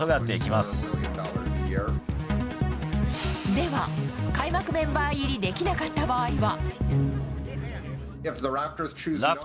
では、開幕メンバー入りできなかった場合は。